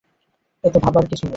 এতো ভাবার কিছু নেই।